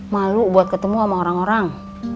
malu buat ketemu sama orang orang